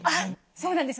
そうなんです。